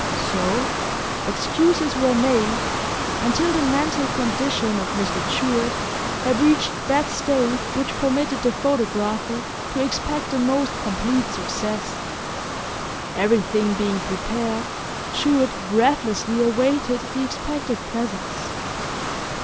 So, excuses were made, until the mental condition of Mr. Jewett had reached that state which permitted the photographer to expect the most complete success. Everything being prepared, Jewett breathlessly awaited the expected presence.